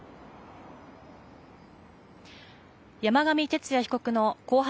山上徹也被告の公判